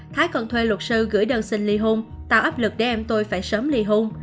thái còn thuê luật sư gửi đơn xin ly hôn tạo áp lực để em tôi phải sớm ly hôn